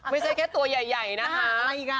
ไม่ใช่แค่ตัวใหญ่นะคะ